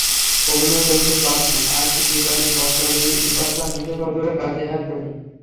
অভিনয় করেছেন বাপ্পি, আরশি, দিপালী, পত্রালী, বিপাশা, মিশা সওদাগর, কাজী হায়াৎ প্রমুখ।